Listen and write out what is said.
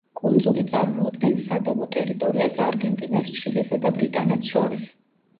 კუნძული წარმოადგენს სადავო ტერიტორიას არგენტინას, ჩილესა და ბრიტანეთს შორის.